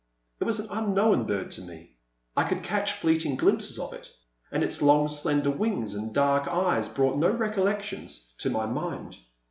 It was an unknown bird to me, — I could catch fleeting glimpses of it, — and its long slender wings and dark eyes brought no recollections to my mind.